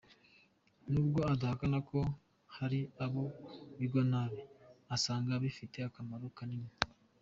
Nubwo adahakana ko hari abo bigwa nabi, asanga bifite akamaro kanini.